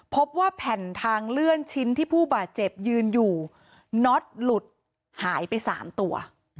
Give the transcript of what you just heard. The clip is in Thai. พบว่าแผ่นทางเลื่อนชิ้นที่ผู้บาดเจ็บยืนอยู่น็อตหลุดหายไป๓ตัว